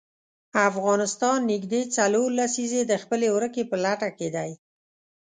افغانستان نژدې څلور لسیزې د خپلې ورکې په لټه کې دی.